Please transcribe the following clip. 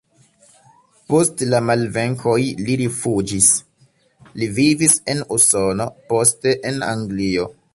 Post la malvenkoj li rifuĝis, li vivis en Usono, poste en Anglio.